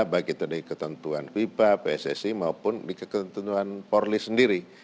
baik itu dari ketentuan viva pssi maupun ketentuan polri sendiri